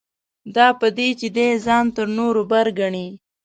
دا په دې چې دی ځان تر نورو بر ګڼي.